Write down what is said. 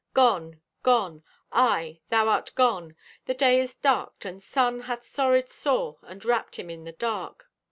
Gone! Gone! Aye, thou art gone! The day is darked, and sun Hath sorried sore and wrapped him in the dark.